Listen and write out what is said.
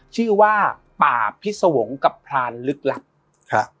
ชื่อว่าป่าพิสวงกับพรานลึกหลัก